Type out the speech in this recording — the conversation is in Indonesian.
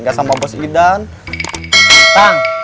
gak sama bos idan